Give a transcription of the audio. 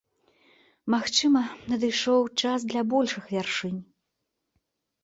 Магчыма, надышоў час для большых вяршынь.